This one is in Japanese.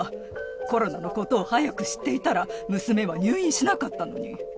コロナのことを早く知っていたら、娘は入院しなかったのに。